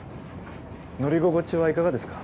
乗り心地はいかがですか？